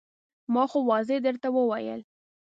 ما خو واضح درته وویل.